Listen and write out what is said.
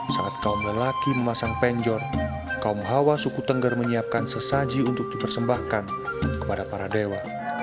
saat kaum lelaki memasang penjor kaum hawa suku tengger menyiapkan sesaji untuk dipersembahkan kepada para dewa